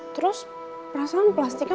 terus perasaan plastiknya